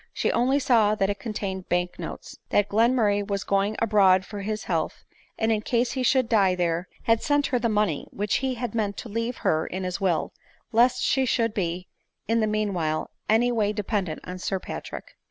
She only saw that it contained bank notes ; that Glenmurray was going abroad for his health ; and, ita case he should die there, had sent her the money which he had meant to leave her in his wilWlest she should be, in the meanwhile, any way dependent on Sir Patrick.